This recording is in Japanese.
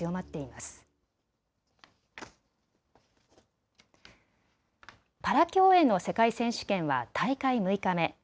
パラパラ競泳の世界選手権は大会６日目。